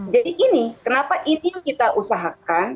jadi ini kenapa ini yang kita usahakan